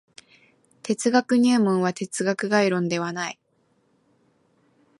哲学入門は哲学概論ではない。